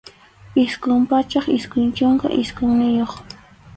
Isqun pachak isqun chunka isqunniyuq.